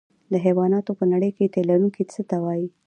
د حیواناتو په نړۍ کې تی لرونکي څه ته وایي